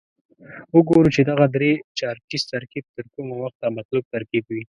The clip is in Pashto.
وګورو چې دغه درې چارکیز ترکیب تر کومه وخته مطلوب ترکیب وي.